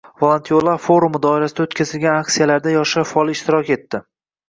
“Volontyorlar forumi” doirasida o‘tkazilgan aksiyalarda yoshlar faol ishtirok etdi